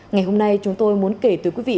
ngày hôm nay chúng tôi muốn kể từ quý vị